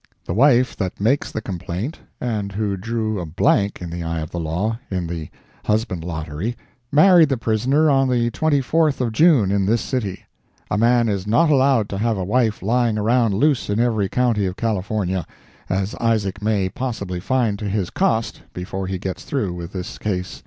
The wife that makes the complaint, and who drew a blank, in the eye of the law, in the husband lottery, married the prisoner on the 24th of June, in this city. A man is not allowed to have a wife lying around loose in every county of California, as Isaac may possibly find to his cost before he gets through with this case.